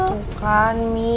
tuh kan mi